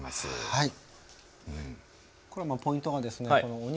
はい。